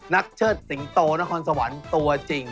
เชิดสิงโตนครสวรรค์ตัวจริง